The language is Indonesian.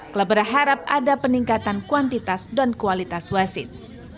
klub berharap ada peningkatan kuantitas dan kualitas wasit